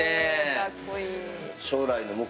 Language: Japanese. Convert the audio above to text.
かっこいい！